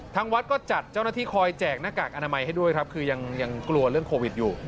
ทางวัดก็จัดเจ้าหน้าที่คอยแจกหน้ากากอนามัยให้ด้วยครับคือยังกลัวเรื่องโควิดอยู่